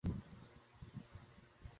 কীরকম ভঙ্গি করবো?